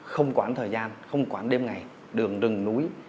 không quán thời gian không quán đêm ngày đường đừng núi